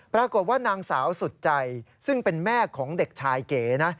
ปรากฏว่านางสาวสุดใจซึ่งเป็นแม่ของเด็กชายเก๋นะ